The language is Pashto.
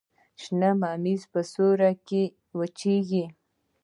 شنه ممیز په سیوري کې وچیږي.